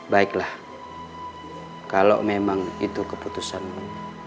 baiklah kalau memang itu keputusanmu